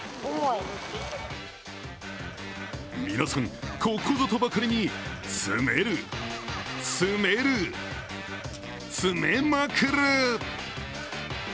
皆さん、ここぞとばかりに詰める詰める積めまくる！